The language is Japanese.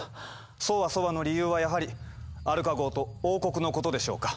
そわそわの理由はやはりアルカ号と王国のことでしょうか？